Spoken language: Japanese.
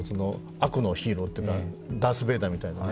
悪のヒーローっていうかダース・ベイダーみたいなね。